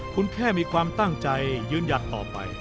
คุณแค่มีความตั้งใจยืนหยัดต่อไป